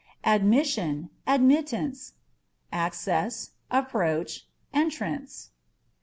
Admission, Admittance â€" access, approach, entrance.